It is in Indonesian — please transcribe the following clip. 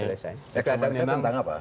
eksaminasi tentang apa